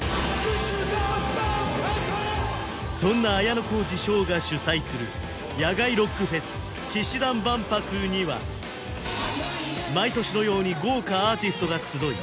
そんな綾小路翔が主催する野外ロックフェス氣志團万博には毎年のように豪華アーティストが集い